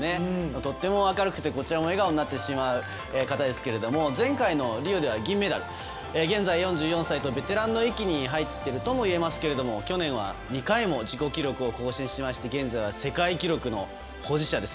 とても明るくてこちらも笑顔になってしまう方ですがリオでは銀メダル現在４４歳とベテランの域に入っているともいえますが去年は２回も自己記録を更新しまして現在は世界記録の保持者です。